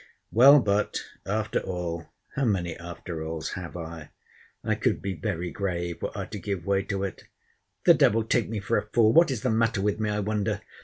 Well, but, after all [how many after all's have I?] I could be very grave, were I to give way to it.—The devil take me for a fool! What's the matter with me, I wonder!